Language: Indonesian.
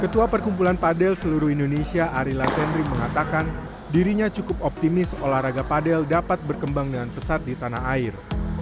ketua perkumpulan padel seluruh indonesia arila tendri mengatakan dirinya cukup optimis olahraga padel dapat berkembang dengan pesat di tanah air